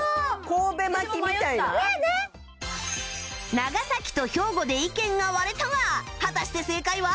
長崎と兵庫で意見が割れたが果たして正解は？